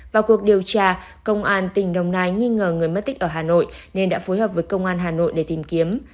vào cuộc điều tra công an tỉnh đồng nai nghi ngờ người mất tích ở hà nội nên đã phối hợp với công an hà nội để tìm kiếm